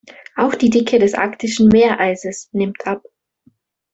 Auch die Dicke des arktischen Meereises nimmt ab.